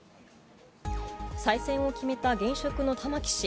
再選を決めた現職の玉城氏。